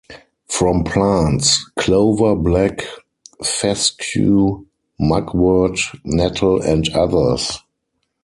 From plants: clover, black, fescue, mugwort, nettle and others.